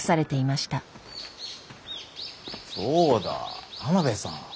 そうだ田邊さん